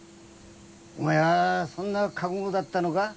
おめぇはそんな覚悟だったのか？